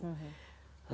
berdamai dengan masa lalu